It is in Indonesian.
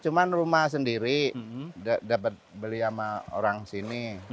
cuma rumah sendiri dapat beli sama orang sini